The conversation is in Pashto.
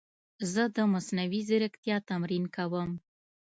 زه د مصنوعي ځیرکتیا تمرین کوم.